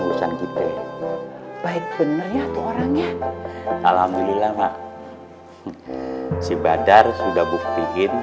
urusan kita baik bener ya orangnya alhamdulillah mak si badar sudah buktiin niat insafnya itu